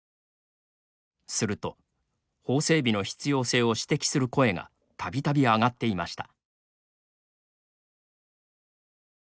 すると法整備の必要性を指摘する声がたびたび上がっていました。